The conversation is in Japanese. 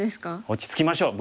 落ち着きましょう。